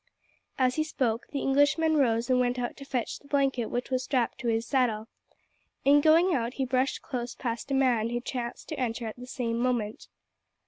As he spoke the Englishman rose and went out to fetch the blanket which was strapped to his saddle. In going out he brushed close past a man who chanced to enter at the same moment.